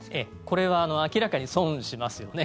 これは明らかに損しますよね。